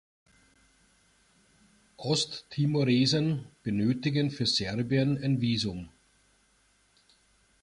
Osttimoresen benötigen für Serbien ein Visum.